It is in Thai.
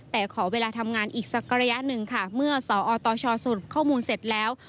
แต่ขอเวลาทำงานอีกสักระยะหนึ่งค่ะเมื่อสอตชสรุปข้อมูลเสร็จแล้ว